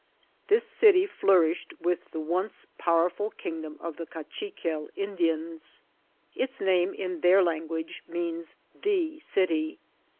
This city flourished with the once powerful kingdom of the Kachiquel Indians. Its name, in their language, means " the city."